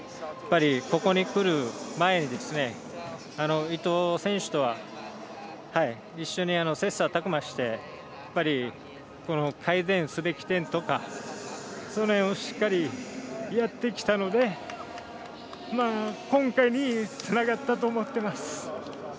ここにくる前に伊藤選手とは一緒に切さたく磨してやっぱり改善すべき点とかそれをしっかりやってきたので今回につながったと思っています。